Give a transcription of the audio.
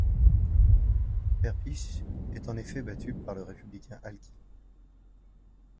Perpich est en effet battu par le républicain Al Quie.